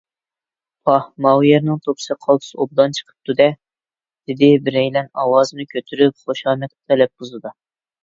پاھ، ماۋۇ يەرنىڭ توپىسى قالتىس ئوبدان چىقىپتۇ - دە! _ دېدى بىرەيلەن ئاۋازىنى كۈتۈرۈپ خۇشامەت تەلەپپۇزىدا.